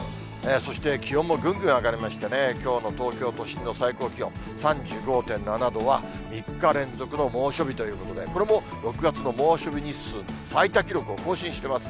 そして、気温もぐんぐん上がりましたね、きょうの東京都心の最高気温３５．７度は３日連続の猛暑日ということで、これも６月の猛暑日日数の最多記録を更新してます。